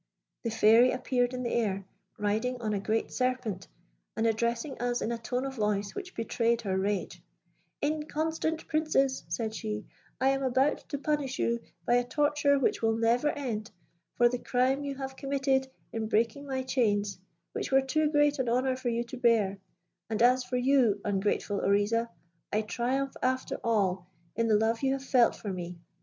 The Fairy appeared in the air, riding on a great serpent, and addressing us in a tone of voice which betrayed her rage, 'Inconstant princes,' said she, 'I am about to punish you, by a torture which will never end, for the crime you have committed in breaking my chains, which were too great an honour for you to bear; and as for you, ungrateful Oriza, I triumph after all in the love you have felt for me.